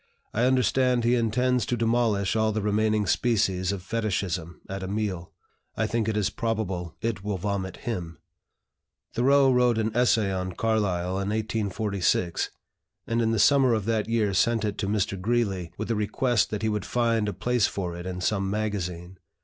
I understand he intends to demolish all the remaining species of Fetichism at a meal. I think it is probable it will vomit him." Thoreau wrote an essay on Carlyle in 1846, and in the summer of that year sent it to Mr. Greeley, with a request that he would find a place for it in some magazine.